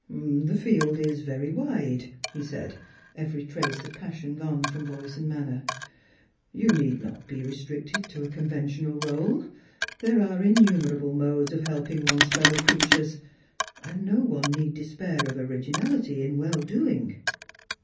" The field is very wide," he said, every trace of passion gone from voice and manner. " You need not be restricted to a con ventional role. There are innumerable modes of helping one's fellow creatures, and no one need despair of originaUty in well doing."